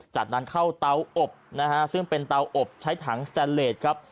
จากนั้นเข้าเตาอบนะฮะซึ่งเป็นเตาอบใช้ถังสแตนเลสครับ